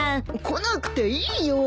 来なくていいよ。